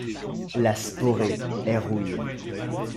La sporée est rouille.